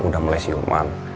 udah mulai siuman